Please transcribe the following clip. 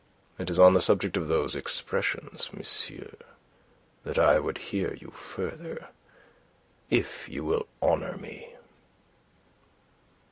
It is on the subject of those expressions, monsieur, that I would hear you further if you will honour me."